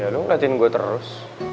ya lu latihan gue terus